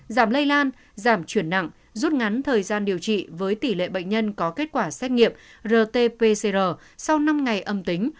giảm lây lan giảm chuyển nặng rút ngắn thời gian điều trị với tỷ lệ bệnh nhân có kết quả xét nghiệm rt pcr sau năm ngày âm tính